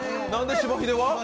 しばひでは？